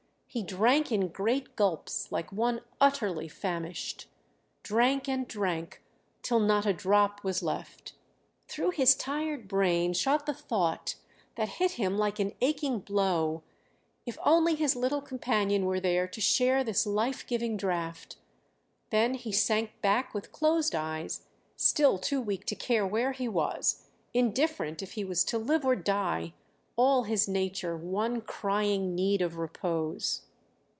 He drank in great gulps like one utterly famished; drank and drank till not a drop was left. Through his tired brain shot the thought, that hit him like an aching blow, if only his little companion were there to share this life giving draught; then he sank back with closed eyes, still too weak to care where he was, indifferent if he was to live or die, all his nature one crying need of repose.